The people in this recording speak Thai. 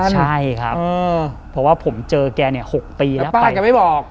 ใช่ครับเออเพราะว่าผมเจอแกเนี่ยหกปีแล้วไปแต่ป้าก็ไม่บอก